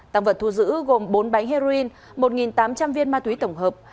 tăng vật thu giữ gồm bốn bánh heroin một tám trăm linh viên ma túy tổng hợp